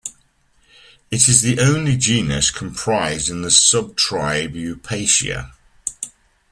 It is the only genus comprised in the subtribe Uapacinae.